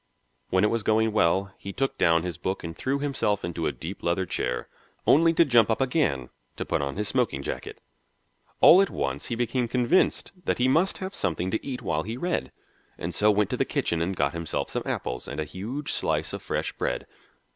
When it was going well, he took down his book and threw himself into a deep leather chair, only to jump up again to put on his smoking jacket. All at once he became convinced that he must have something to eat while he read, and so went to the kitchen and got himself some apples and a huge slice of fresh bread.